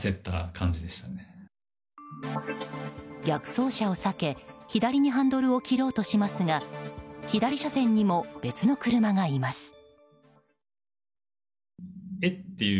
逆走車を避け左にハンドルを切ろうとしますが左車線にも別の車がいます。